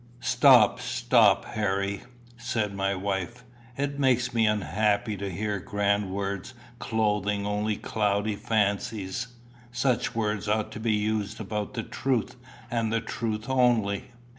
"Stop, stop, Harry," said my wife. "It makes me unhappy to hear grand words clothing only cloudy fancies. Such words ought to be used about the truth, and the truth only."